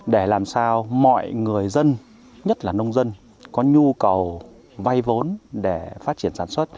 để làm sao mọi người dân nhất là nông dân có nhu cầu vay vốn để phát triển sản xuất